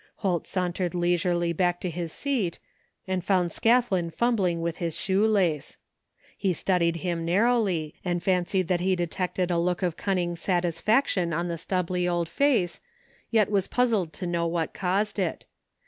Holt sauntered leisurely back to his seat and found Scathlin fumbling with his shoe lace. He studied him narrowly and fancied that he detected a look of cunning satisfaction on the stubbly old face, yet was puzzled to know what caused it.